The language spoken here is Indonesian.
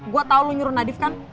gue tau lu nyuruh nadif kan